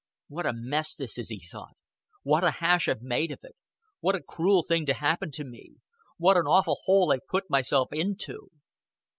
"What a mess this is," he thought. "What a hash I've made of it. What a cruel thing to happen to me. What an awful hole I've put myself into."